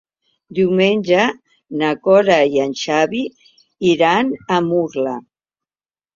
Diumenge na Cora i en Xavi iran a Murla.